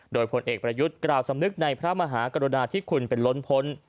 โดยผลเอกประยุทธ์กล่าวสำนึกในพระมหากรุณาที่คุณเป็นล้นพ้น